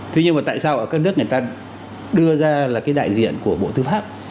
thế nhưng mà tại sao ở các nước người ta đưa ra là cái đại diện của bộ tư pháp